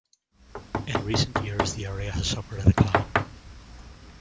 In recent years the area has suffered a decline.